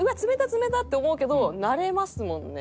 冷たっ！って思うけど慣れますもんね。